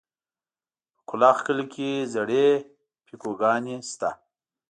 په کلاخ کلي کې زړې پيکوگانې شته.